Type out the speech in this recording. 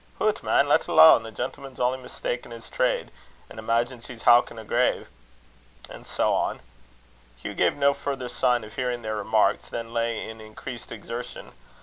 "Hoot, man! lat alane. The gentleman's only mista'en his trade, an' imaigins he's howkin' a grave." And so on. Hugh gave no further sign of hearing their remarks than lay in increased exertion.